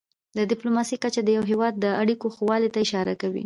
د ډيپلوماسی کچه د یو هېواد د اړیکو ښهوالي ته اشاره کوي.